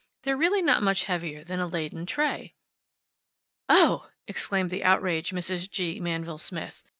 They're really not much heavier than a laden tray." "Oh!" exclaimed the outraged Mrs. G. Manville Smith.